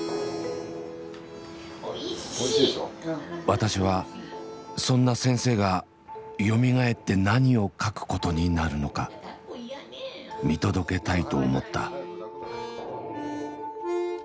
私はそんな先生がよみがえって何を書くことになるのか見届けたいと思った。